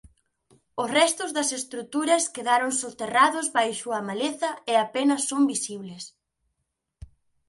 Os restos das estruturas quedaron soterrados baixo a maleza e apenas son visibles.